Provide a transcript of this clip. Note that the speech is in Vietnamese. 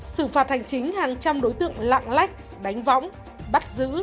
xử phạt hành chính hàng trăm đối tượng lạng lách đánh võng bắt giữ